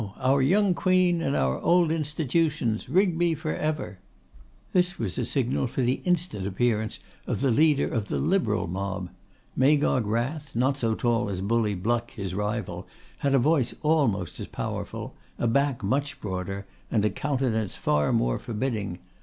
Our young Queen and our Old Institutions! Rigby for ever!' This was a signal for the instant appearance of the leader of the Liberal mob. Magog Wrath, not so tall as Bully Bluck, his rival, had a voice almost as powerful, a back much broader, and a countenance far more forbidding.